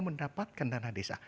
mendapatkan dana desa